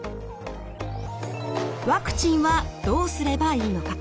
ワクチンはどうすればいいのか？